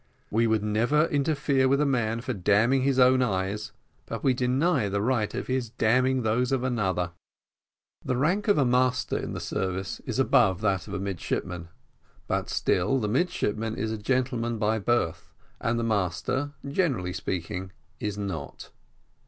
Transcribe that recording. We would never interfere with a man for damning his own eyes, but we deny the right of his damning those of another. The rank of a master in the service is above that of a midshipman, but still the midshipman is a gentleman by birth, and the master, generally speaking, is not.